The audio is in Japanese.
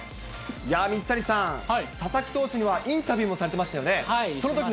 水谷さん、佐々木投手にはインタビューもされてましたよね。